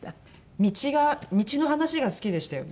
道が道の話が好きでしたよね。